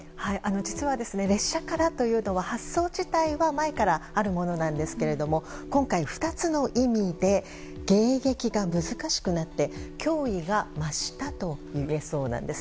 実は、列車からというのは発想自体は前からあるものなんですけれども今回、２つの意味で迎撃が難しくなって脅威が増したといえそうなんです。